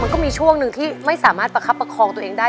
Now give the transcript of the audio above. ก็มีช่วงหนึ่งที่ไม่สามารถประคับประคองตัวเองได้